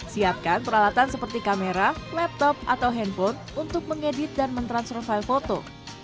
siapkan peralatan seperti kamera laptop atau handphone untuk mengedit dan mentransfer file foto